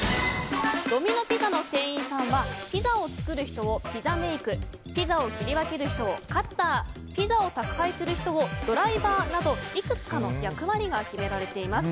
ドミノ・ピザの店員さんはピザを作る人をピザメイクピザを切り分ける人をカッターピザを宅配する人はドライバーなどいくつかの役割が決められています。